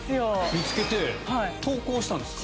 見つけて投稿したんですか？